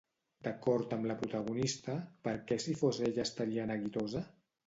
D'acord amb la protagonista, per què si fos ella estaria neguitosa?